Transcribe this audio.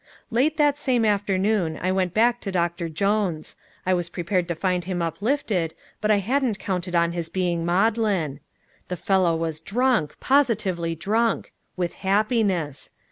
Late the same afternoon I went back to Doctor Jones. I was prepared to find him uplifted, but I hadn't counted on his being maudlin. The fellow was drunk, positively drunk with happiness.